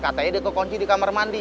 katanya dia kekunci di kamar mandi